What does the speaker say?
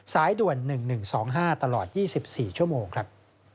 สายด่วน๑๑๒๕ตลอด๒๔ชั่วโมงครับ